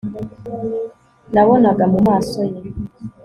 nabonaga mu maso ye